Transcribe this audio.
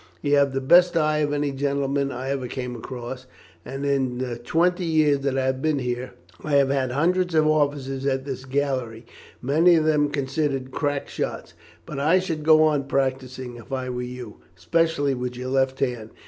You have the best eye of any gentleman I ever came across, and in the twenty years that I have been here I have had hundreds of officers at this gallery, many of them considered crack shots. But I should go on practising, if I were you, especially with your left hand.